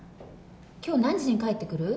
きょう何時に帰ってくる？